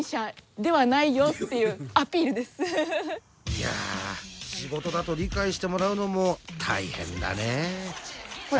いや仕事だと理解してもらうのも大変だね。